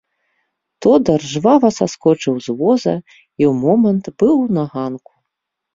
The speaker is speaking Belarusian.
Тодар жвава саскочыў з воза і ў момант быў на ганку.